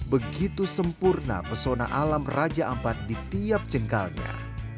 begitu sempurna pesona alam raja ampat di tiap jengkalnya